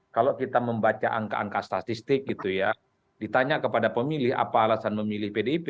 kalau kita membaca angka angka statistik gitu ya ditanya kepada pemilih apa alasan memilih pdip